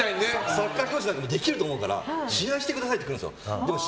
サッカー選手だからできると思うから試合やってくださいって言われるんですよ。